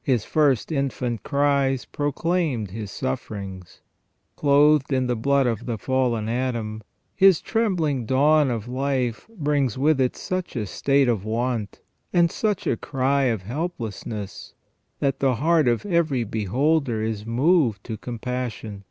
His first infant cries proclaimed his sufferings. Clothed in the blood of the fallen Adam, his trembling dawn of life brings with it such a state of want, and such a cry of helplessness, that the heart of every beholder is moved to com passion.